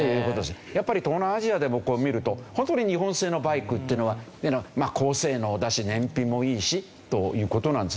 やっぱり東南アジアでもこう見ると本当に日本製のバイクっていうのは高性能だし燃費もいいしという事なんですね。